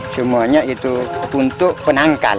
semuanya itu untuk penangkal